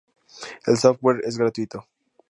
El software es gratuito.